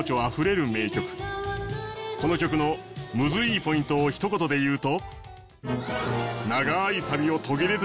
この曲のムズいいポイントをひと言で言うと。